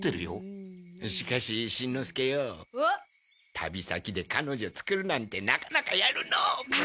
旅先で彼女作るなんてなかなかやるのう。